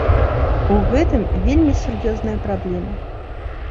У гэтым вельмі сур'ёзная праблема.